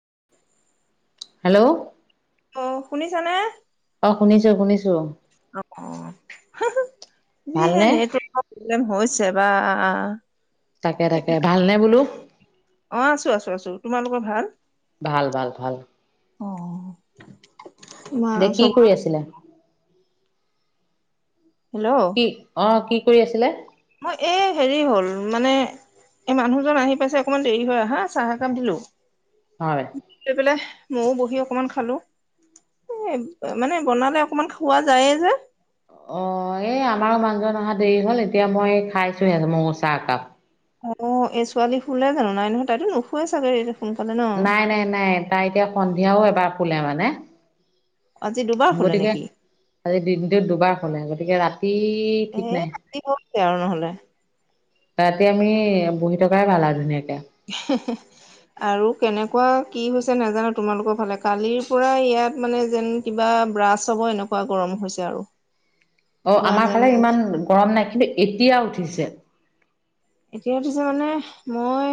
[inaudible] Hello অ' শুনিছানে? অ শুনিছো শুনিছো অ'হ। যিহে ভালনে নেটৱৰ্কৰ প্ৰব্লেম হৈছে, বা তাকে। তাকে। ভাল নে বোলো? অ' আছো। আছো। আছো। তোমালোকৰ ভাল? ভাল ভাল ভাল অহ। দে কি কৰি আছিলা হেল্ল' কি অ কি কৰি আছিলে? মই এ হেৰি হ'ল মানে এই মানুহজন আহি পাইছে অকমান দেৰি হয় আহ হা চাহ কান দিলো হয় লৈ পেলাই ময়ও বহি অকমান খালো এ মানে বনালে অকমান খোৱা যায়ে যে অ', এই আমাৰো মানুহজন অহা দেৰি হল এতিয়া মই খাইছোহেহঁ ম উচা একাপ। অ', এই ছোৱালী শুলে জানো নাই নহয় তাইতো নুখোৱে চাগৈটো। নাই। নাই। নাই। তাই এতিয়া সন্ধিয়াও এবাৰ শুলে মানে। আজি দুবাৰ শুলে গতিকে নেকি আজি দিনটোত দুবাৰ শুলে, গতিকে ৰাতি সি এ ঠিক নাই। আজি হৈছে আৰু নহলে ৰাতি আমি বহি থকাই ভাল আৰু ধুনীয়াকে [unintelligible] আৰু কেনেকুৱা কি হৈছে নাজানো, তোমালোকৰ ফালে। কালিৰ পৰা ইয়াত মানে যেন কিবা ব্ৰাছ হ'ব, এনেকুৱা গৰম হৈছে আৰু। অ'হ। কিবা আমাৰ যেন ফালে ইমান গৰম নাই। কিন্তু এতিয়া উঠিছে। এতিয়া উঠিছে মানে মই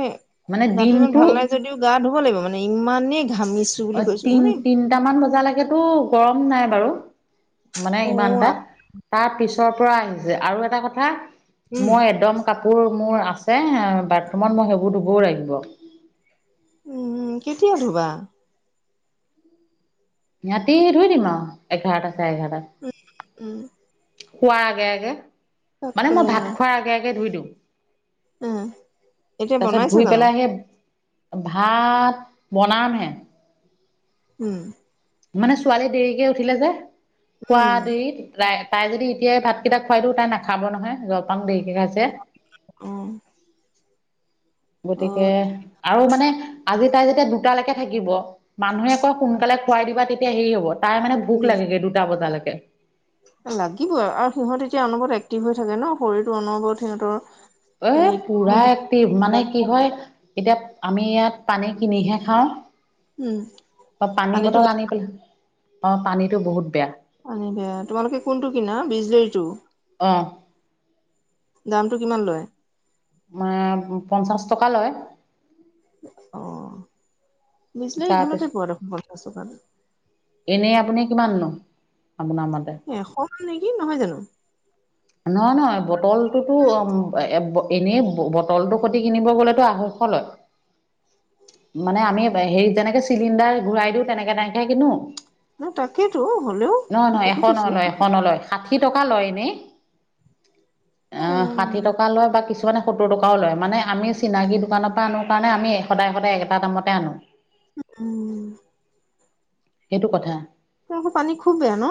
মানে গাটো ইমান দিনটো ভাল নাই, যদিও গা ধুব লাগিব মানে। ইমানেই ঘামিছো বুলি অ' কৈছো মানে তিন- তিনটামান বজালৈকেতো গৰম নাই বাৰু। মানে অ ইমানটা, তাৰ পিছৰ পৰা আহিছে। আৰু এটা কথা উম মই এদম কাপ কাপোৰ মোৰ আছে, বাথৰুমত। মই সেইবোৰ ধুবও লাগিব। উম। কেতিয়া ধুবা? ৰাতি ধুই দিম আও। এঘাৰটা চা উ- উম। খোৱাৰ আগে -আগে। মানে তাকে মই ভাত খোৱাৰ আগে আগে ধুই দিওঁ। উম এতিয়া তা ছত বনাইছে ধুই জানো পেলাই সে ভাত বনাম হে। উম। মানে ছোৱালী দেৰিকে উঠিলে যে খোৱা উম দেৰি [unintelligible] তাই যদি এতিয়াই ভাতকেইটা খুৱাই দিওঁ, তাই নাখাব নহয়। জ -গাম দেই ঠিক আছে। অ অ গতিকে আৰু মানে আজি তাই যেতিয়া দুটালৈকে থাকিব মানুহে কয় আকৌ সোনকালে খুৱাই দিবা, তেতিয়া হেৰি হব। তাই মানে ভোক উম লাগে গে দুটা বজালৈকে। লাগিবই আৰু সিহঁত এতিয়া অনবৰত এক্টিভ হৈ থাকে ন। শৰীৰতটো অনবৰত সিহঁতৰ এ মানে ইটো পুৰা নহয় একটিভ সিটো মানে কি হয়, এতিয়া আমি ইয়াত পানী কিনিহে খাওঁ। উম বা পানী পানীটো বটল বেয়া আনি পেলাই অহ। পানীতো বহুত বেয়া। পানী বেয়া। তোমালোকে কোনটো কিনা? বিজলেৰীটো? অ দামটো কিমান লয়? আ- পঞ্চাশ টকা লয়। অহ। বিজলাৰী তাৰপিছত ভালতে পোৱা দেখোন, পঞ্চাছ টকাত। এনেই আপুনি কিমান নো? আপোনাৰ মতে কি নহয় জানো। নহয়। নহয়। বটলটোতো এ এনেই বটলটোৰ খতি কিনিব গলেতো, আঢ়ৈশ লয়। মানে আমি হেৰি যেনেকে চিলিণ্ডাৰ ঘূৰাই দিওঁ তেনেকে- তেনেকে হে কিনো ন তাকেইতো হ'লেও নহয় নহয়। সেইটো এশ কৈছো নলয়, এশ নলয়। ষাঠি টকা লয় এনে। অ', ষাঠি টকা লয় বা কিছু কিছুমানে সত্তৰ টকাও লয়। মানে আমি চিনাকি দোকানৰ পৰা আনো কাৰণে আমি সদায় সদায় একেটা দামতে আনো। উম। সেইটো কথা। তোমালোকৰ পানী খুব বেয়া ন?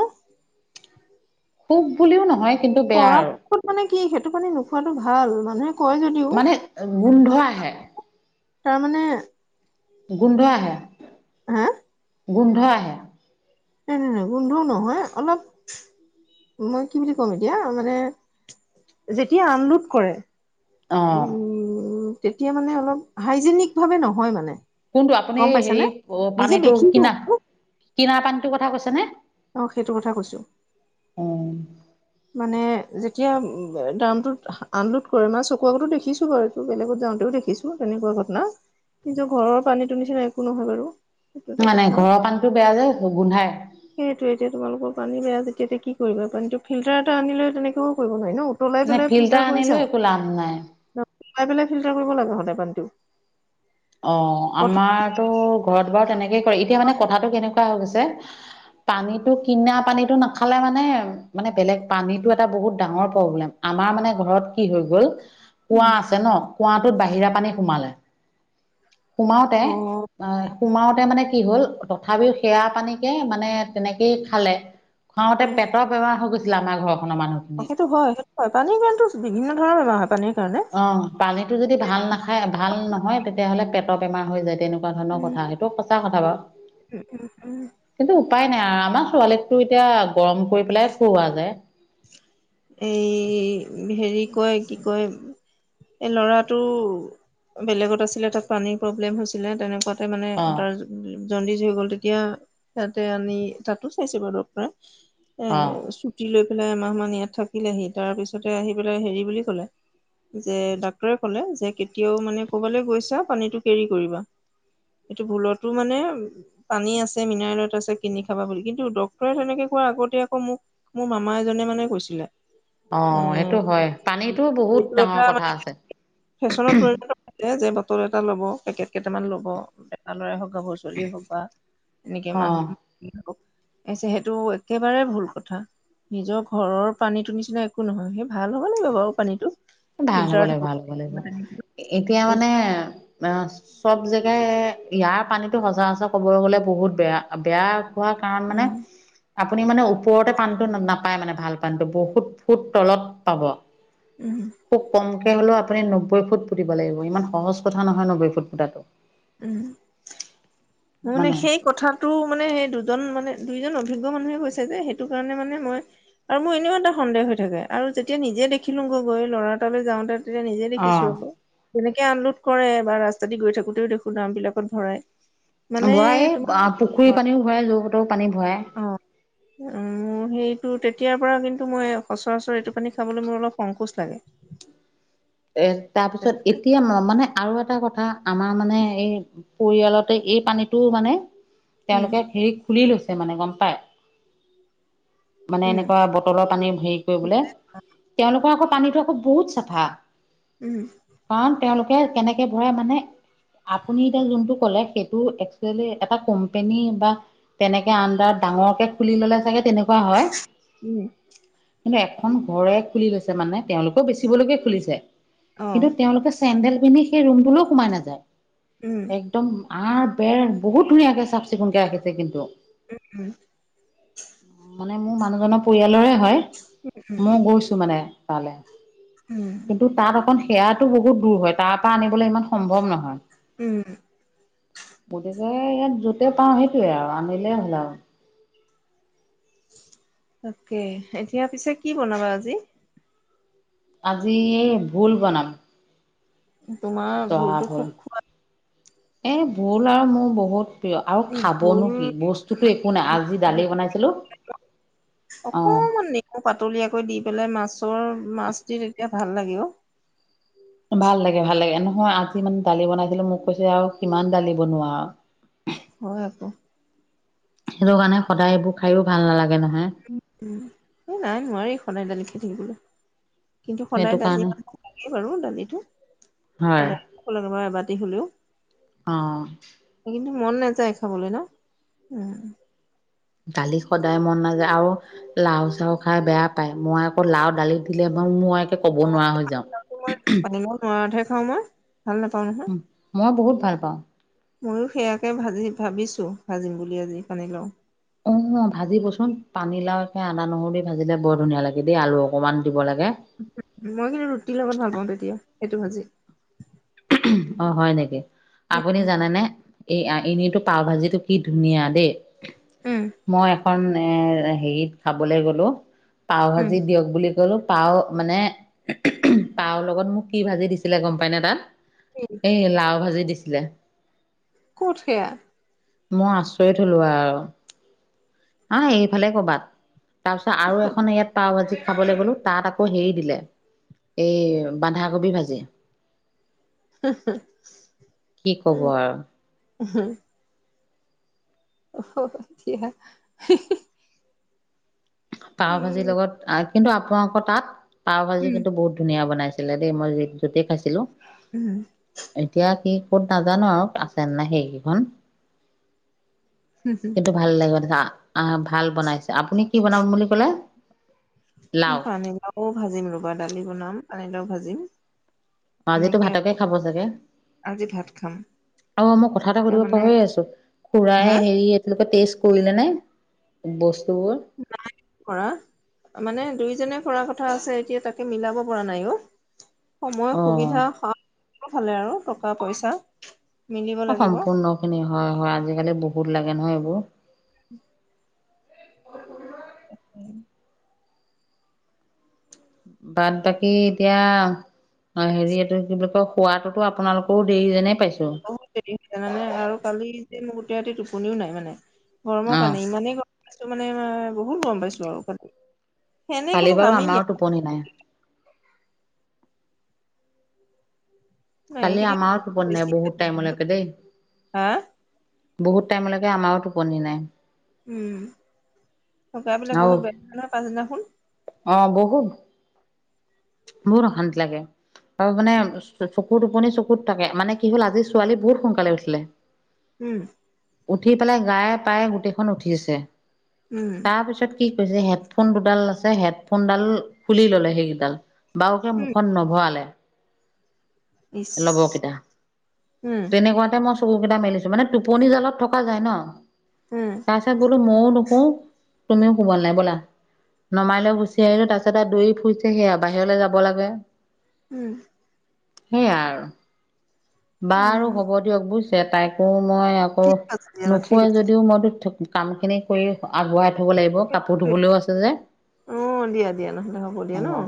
খুব বুলিও নহয়। কিন্তু বেয়া আৰু পৰাপক্ষত মানে কি সেইটো পানী নোখোৱাটো ভাল। মানু মানে গোন্ধ আহে। তাৰমানে? গোন্ধ আহে। হা? গোন্ধ আহে। নাই নাই নাই গোন্ধও নহয় অলপ মই কি বুলি ক'ম এতিয়া মানে যেতিয়া আনলোড কৰে। অহ। উম তেতিয়া মানে অলপ হাইজেনিক ভাৱে নহয় মানে। কোনটো? আপুনি গম হেৰি পাইছানে? অ', নিজে পানীটো দেখিছো কিনা কিনা পানীটোৰ কথা কৈছেনে? অ', সেইটো কথা কৈছো। উ মানে যেতিয়া দামটোত আনলোড কৰে মই চকু আগতো দেখিছোঁ বাৰু এইটো বেলেগত যাওঁতেও দেখিছোঁ। মানুহে কোৱা ঘটনা। নিজৰ ঘৰৰ পানীটোৰ নিচিনা একো নহয় বাৰু। সেইটো এটা নাই নাই। কথা। ঘৰৰ পানীতো বেয়া যে গোন্ধাই। সেইটো এতিয়া তোমালোকৰ পানী বেয়া যেতিয়া এতিয়া কি কৰিবা। পানীটো ফিল্টাৰ এটা আনিলে তেনেকেও কৰিব নোৱাৰি ন? উতলাই নাই পেলাই ফিল্টাৰ আনিলো কৰিছা? একো লাভ নাই। খাই পেলাই ফিল্টাৰ কৰিব লাগে সদাই পানীটো। অ', প্ৰথম আমাৰতো ঘৰত বাৰু তেনেকেই কৰে। এতিয়া মানে কথাটো কেনেকুৱা হৈ গৈছে পানীটো কিনা পানীটো নাখালে মানে মানে বেলেগ, পানীটো এটা বহুত ডাঙৰ প্ৰব্লেম। আমাৰ মানে ঘৰত কি হৈ গ'ল উম, কুঁৱা আছে ন কুঁৱাটোত বাহিৰা পানী সোমালে। সোমাওতে অ', সোমাওতে মানে কি হ'ল, তথাপিও সেয়া পানীকে মানে তেনেকেই খালে। খুৱাওঁতে উম, পেটৰ বেমাৰ হৈ গৈছিলে আমাৰ ঘৰ সেইটো হয় সেইটো হয়। পানীৰ কাৰণেটো বিভিন্ন ধৰণৰ বেমাৰ হয় পানীৰ কাৰণে। অ', পানীটো যদি ভাল নাখায়, ভাল নহয়, তেতিয়াহ'লে পেটৰ বেমাৰ হৈ যায় তেনে হেনেকোৱা ধৰণৰ উম, কথা। সেইটো সঁচা কথা বাৰু। উম। কিন্তু উপাই নাই আৰু। আমাৰ ছোৱালীকতো এতিয়া গৰম কৰি পেলাই খুওৱা যায়। এই হেৰি কয়, কি কয়। এই ল'ৰাটো বেলেগত আছিলে। তাত পানীৰ প্ৰব্লেম হৈছিলে। তেনেকুৱা তাতে মানে অ', তাৰ জণ্ডিজ হৈ গ'ল। তেতিয়া সিহঁতে আনি তাতো চাইছে বাৰু ডক্টৰে। এ, অ', চুটি লৈ পেলাই এমাহ মান ইয়াত থাকিলেহি। তাৰ পিছতে আহি পেলাই হেৰি বুলি ক'লে। যে ডাক্তৰে ক'লে যে কেতিয়াও মানে ক'বালে গৈছা, পানীটো কেৰি কৰিবা। এইটো ভুলতো মানে পানী আছে মিনাৰেল ৱাটাৰ আছে কিনি খাবা বুলি। কিন্তু ডক্টৰে তেনেকে কোৱা আগতে আকৌ মোক মোৰ মামা এজনে মানে কৈছিলে। অ', এ সেইটো হয়। পানীটো বহুত এইটো এটা ডাঙৰ কথা মানে আছে। ফেশ্বনত যে বটল এটা ল'ব, পেকেট কেইটামান ল'ব এটা ল'ৰাই হওঁক। গাভৰু ছোৱালী হওঁক বা এনেকে অ', মানুহ সেইটো একেবাৰে ভুল কথা, নিজৰ ঘৰৰ পানী টো নিচিনা একো নহয়, সেই ভাল হব লাগে বাৰু পানীটো। ভাল হ'ব লাগিব ভাল হ'ব লাগিব, এতিয়া মানে অ চব যে এ ইয়াৰ পানীতো সচৰাচৰ ক'ব গ'লে বহুত বেয়া। বেয়া হোৱাৰ কাৰণ মানে উম আপুনি মানে ওপৰতে পানীটো নাপায় মানে ভাল পানীটো বহুত ফুট তলত পাব। উম খুব কমকে হ'লেও আপুনি নব্বৈ ফুট পুতিব লাগিব। ইমান সহজ কথা নহয় নব্বৈ ফুট পুতাটো। উম, মোৰ মানে সেই কথাটো মানে সেই দুজন মানে দুইজনক ভিজ্ঞ মানুহে কৈছে যে সেইটো কাৰণে মানে মই, আৰু মোৰ এনেও এটা সন্দেহ হৈ থাকে আৰু যেতিয়া নিজে দেখিলোঁ। গৈ গৈ ল'ৰাৰতালৈ যাওঁতে তেতিয়া নিজে দেখিছোঁ অ'। আকৌ। তেনেকে আনলোড কৰে বা ৰাস্তা দি গৈ থাকোঁতেও দেখো দ্ৰাম বিলাকত ভৰায়। ভৰায়ে। পুখুৰীৰ পানীও ভৰাই, য'ৰ-ত'ৰ পানী ভৰায়। অ মোৰ সেইটো তেতিয়াৰ পৰা কিন্তু মই সচৰাচৰ এইটো পানী খাবলে মোৰ অলপ সংকোচ লাগে। এ, তাৰ পিছত এতিয়া মই মানে আৰু এটা কথা আমাৰ মানে এই পৰিয়ালতে এই পানীটো মানে উম তেওঁলোকে হেৰি খুলি লৈছে মানে গম পাই। মানে উম এনেকুৱা বটলৰ পানী হেৰি কৰিবলে তেওঁলোকৰ আকৌ পানী আকৌ বহুত চাফা। উম কাৰণ তেওঁলোকে কেনেকে ভৰাই মানে আপুনি এতিয়া যোনটো ক'লে সেইটো এক্সোয়েলি এটা কোম্পনী বা তেনেকে আন্দাৰ ডাঙৰকে খুলি ললে চাগে তেনেকুৱা হয়। উম কিন্তু এখন ঘৰে খুলি লৈছে, মানে তেওঁলোকেও বেচিবলৈকে খুলিছে, অ কিন্তু তেওঁলোকে চেন্দেল পিন্ধি সেই ৰুমটোলো সোমাই নাযায়, উম একদম আৰ বেৰ বহুত ধুনীয়াকে চাফ চিকুণকে ৰাখিছে কিন্তু। উম উম মানে মোৰ মানুহজনৰ পৰিয়ালৰে হয়, উম মই গৈছোঁ মানে তালে। উম কিন্তু তাত অকণ সেয়াটো বহুত দূৰ হয়, তাৰ পৰা আনিবলৈ ইমান সম্ভৱ নহয়। উম এই ইয়াত য'তে পাওঁ সেইটোয়ে আৰু আনিলে হ'ল আৰু। তাকে, এতিয়া পিছে কি বনাবা আজি। আজি ভোল বনাম। তোমাৰ ভোলটো খুব খোৱা এ ভোল আৰু মোৰ বহুত প্ৰিয়, আৰু খুব ভোল খাবনো কি বস্তুতো একো নাই আজি দালি বনাইছিলোঁ অ অকমান নেমু পাতলিয়াকৈ দি পেলাই মাছৰ মাছ দি তেতিয়া ভাল লাগে অ' ভাল লাগে, ভাল লাগে নহয় আজি মানে দালি বনাই দিলো মোক কৈছে আৰু কিমান দালি বনোৱা আৰু। হয় আকৌ। সেইটো কাৰণে সদায় এইবোৰ খাইয়ো ভাল নালাগে নহয়। এই নাই নোৱাৰি সদায় দালি খাই থাকিবলৈ। কিন্তু সদায় সেইটো দালি কাৰণে মানুহক লাগে বাৰু দালিটো হয় সদায় লাগে এবা তি হ'লেও অ' কিন্তু মন নাযায় খাবলৈ ন? দালি সদায় মন নাযায় আৰু লাও-চাও খাই বেয়া পায়, মই আকৌ লাও দালিত দিলে মই একে কব নোৱাৰা হৈ যাওঁ। মই পানীলাও [unintelligible] নহয় উ মই বহুত ভাল পাওঁ। ময়ো সেয়াকে ভাজি ভাবিছো ভাজিম বুলি আজি পানী লাওঁ। অ' অ ভাজিবচোন পানী লাওঁ একে আদা নহৰু দি ভাজিলে বৰ ধুনীয়া লাগে দেই আলু অকনমান দিব লাগ মই কিন্তু ৰুটিৰ লগত ভাল পাও তেতিয়া সেইটো ভাজি। অ হয় নেকি আপুনি জানেনে এইয়া এনেইতো পাও ভাজিটো কি ধুনীয়া দেই। উম মই এখন মানে হেৰিত খাবলে গ'লো, পাউ উম ভাজি দিয়ক বুলি কলোঁ। পাও মানে পাও ৰ লগত মোক কি ভাজি দিছিলে গম পাই নে? তাত এ লাওঁ ভাজি দিছিলে। ক'ত সেয়া। মই আচৰিত হলো আৰু। আ, এইফালে ক'ৰবাত, তাৰ পিছত আৰু এখন ইয়াত পাও ভাজি খাবলে গ'লো, তাত আকৌ হেৰি দিলে, এই বান্ধাকবি ভাজি। কি ক'ব আৰু। অ দিয়া পাউ ভাজিৰ উম লগত আ, কিন্তু আপোনালোকৰ তাত পাউ ভাজি কিন্তু বহুত ধুনীয়া বনাই লে, দেই মই যেত, য'তে খাইছিলোঁ, উম এতিয়া কি ক'ত নাজানোঁ আৰু আছেনে নাই সেইকিখন। হম সেইটো ভাল লাগিব দে, আ, আ, ভাল বনাইছে আপুনি কি বনাম বুলি ক'লে? লাও মই পানীলাও ভাজিম ৰ'বা দালি বনাম, পানীলাও ভাজিম। অ', আজিটো এনেকে ভাতকে খাব চাগে? আজি ভাত খাম অ', মই কথা এটা তাৰ সুধিব মানে পাহৰিয়ে আছোঁ, খুৰাই হা হেৰি [unintelligible] টেষ্ট কৰিলেনে? বচ নাই কৰা, মানে দুইজনে কৰা কথ থা, আছে এতিয়া তাকে মিলাব পৰা নাই‌ অ', সময় অ সুবিধা ফালে আৰু টকা, পইচা মিলিব লাগিব সম্পূৰ্ণখিনি হয়, হয়, আজিকালি বহুত লাগে নহয়, এইবোৰ। উম। উম বাত বাকী এতিয়া অ', হেৰি এইটো কি বুলি কয় খোৱাটোতো আপোনালোকৰো দেৰি যেনে বহুত দেৰি হৈছে মানে আৰু কালি ৰাতি মোৰ গোটেই ৰাতিতে টোপনিও নাই মানে। অ গৰমৰ কাৰণে ইমানেই গৰম পাইছো মানে বহুত গৰম পাইছো আৰু কালি। ফেনে কালি কোনো বাৰু কামেই আমাৰ দিয়া টোপনি নাই। নাই কালি এইকেইদিন আমাৰো টোপনি নাই বেছি বহুত টাইমলৈক দেই। হা বহুত টাইমলৈকে আমাৰো টোপনি নাই। উম শুক বিিলাক আৰু বহুত বেয়া নহয় পাছদিনাখনোন [unintelligible] অ বহুত বহুত অশান্তি লাগে। আৰু মানে চকু টোপনি চকুত থাকে মানে কি হ'ল আজি ছোৱালী বহুত সোনকালে উঠিলে। উম উঠি পেলাই গায়ে প্ৰায়ে গোটেইখন উঠিছে। উম তাৰপিছত কি কৈছে হেডফোন দুডাল আছে হেডফোনডাল খুলি ললে সেইকেইডাল বাৰু হে উম মুখখন নভৰালেে ইচ লবকেইটা উম তেনেকুৱাতে মই চকু কেইটা মেলিছো মানে টোপনি জালত থকা যায় ন উম তাৰ পিছত বোলো মইও মই ও নোহো তুমি ও শুব নালাগে বলা নমাই লৈও গুচি আহিলো তাৰ পিছত আৰু দৰি ফুৰিছে সেয়া বাহিৰলৈ যাব লাগে উম। সেইয়া আৰু বাৰু উম হ'ব দিয়ক বুজিছে তাই কো মই আকৌ ঠিক আছে দিয়া ন, ঠিক নুশোৱেই আছে যদিও মইতো কাম খিনি কৰি আগুৱাই ব লাগিব, কাপোৰ ধুবলৈও আছে যে। অ দিয়া দিয়া নহ'লে হ'ব দিয়া ন